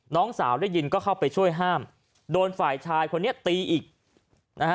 น้องสาวได้ยินก็เข้าไปช่วยห้ามโดนฝ่ายชายคนนี้ตีอีกนะฮะ